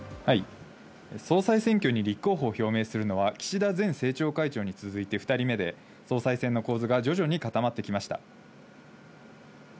総裁選挙に立候補を表明するのは岸田前政調会長に続いて２人目で総裁選の構図が徐々に固まってきました。